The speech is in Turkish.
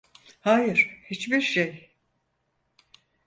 Hayır, hiçbir şey.